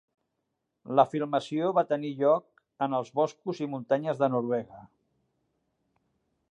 La filmació va tenir lloc en els boscos i muntanyes de Noruega.